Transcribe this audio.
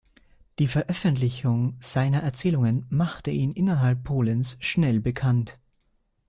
Die Veröffentlichung seiner Erzählungen machte ihn innerhalb Polens schnell bekannt.